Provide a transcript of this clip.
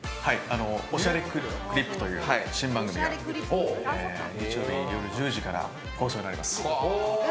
『おしゃれクリップ』という新番組が日曜日夜１０時から放送になります。